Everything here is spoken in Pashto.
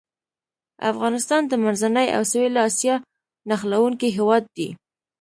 افغانستان د منځنۍ او سویلي اسیا نښلوونکی هېواد دی.